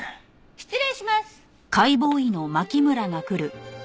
失礼します。